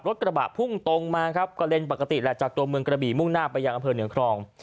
กระบะพุ่งตรงมาครับก็เลนปกติแหละจากตัวเมืองกระบี่มุ่งหน้าไปยังอำเภอเหนือครอง